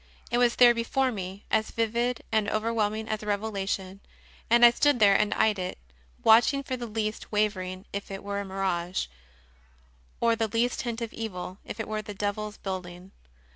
It was there before me, as vivid and overwhelming as a revelation, and I stood there and eyed it, watch ing for the least wavering if it were a mirage, or the least hint of evil if it were of the devil s building.